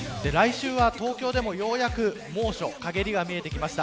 来週は東京でもようやく猛暑に陰りが見えてきました。